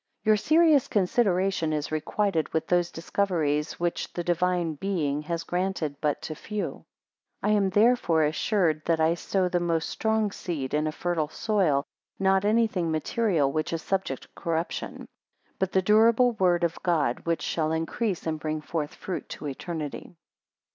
YOUR serious consideration is requited with those discoveries, which the Divine Being has granted but to few; 2 I am thereby assured that I sow the most strong seed in a fertile soil, not anything material, which is subject to corruption, but the durable word of God, which shall increase and bring forth fruit to eternity.